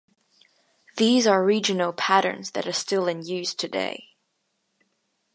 These are regional patterns that are still in use today.